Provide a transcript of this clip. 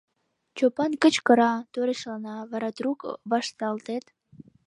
Чопан кычкыра, торешлана, вара трук вашталтет.